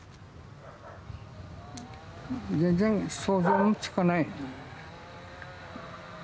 全然想像もつかない。